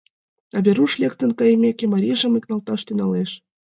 А Веруш лектын кайымеке, марийжым игылташ тӱҥалеш.